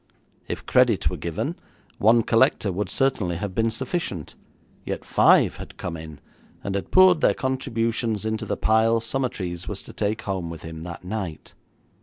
If credit were given, one collector would certainly have been sufficient, yet five had come in, and had poured their contributions into the pile Summertrees was to take home with him that night.